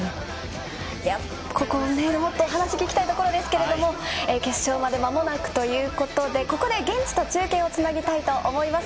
もっとお話を聞きたいところですが決勝までまもなくというところでここで現地と中継をつなぎたいと思います。